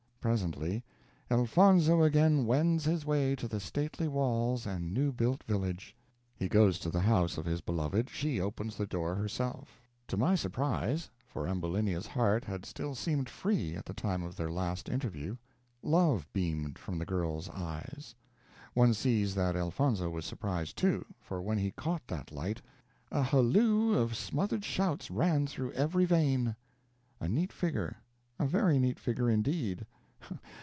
Presently "Elfonzo again wends his way to the stately walls and new built village." He goes to the house of his beloved; she opens the door herself. To my surprise for Ambulinia's heart had still seemed free at the time of their last interview love beamed from the girl's eyes. One sees that Elfonzo was surprised, too; for when he caught that light, "a halloo of smothered shouts ran through every vein." A neat figure a very neat figure, indeed!